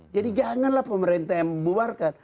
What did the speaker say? jadi janganlah pemerintah yang membuarkan